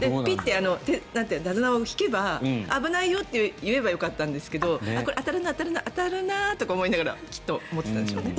手綱を引けば危ないよって言えばよかったんですけどこれ、当たるな当たるなとか思いながらきっと待ってたんでしょうね。